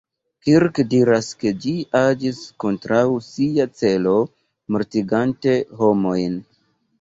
Kirk diras, ke ĝi agis kontraŭ sia celo mortigante homojn.